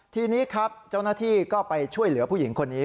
ทีนี้ครับเจ้าหน้าที่ก็ไปช่วยเหลือผู้หญิงคนนี้